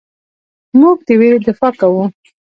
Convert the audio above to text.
موږ د ویرې دفاع کوو.